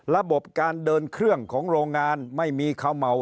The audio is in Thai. ระบบการเดินเครื่องของโรงงานไม่มีเขม่า